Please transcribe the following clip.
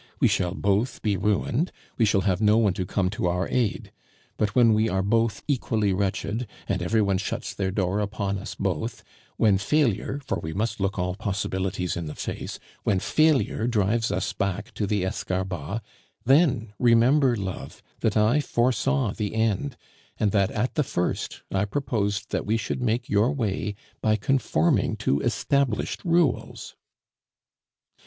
We shall both be ruined, we shall have no one to come to our aid. But when we are both equally wretched, and every one shuts their door upon us both, when failure (for we must look all possibilities in the face), when failure drives us back to the Escarbas, then remember, love, that I foresaw the end, and that at the first I proposed that we should make your way by conforming to established rules."